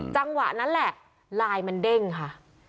จังหวะนั้นแหละลายมันเด้งค่ะ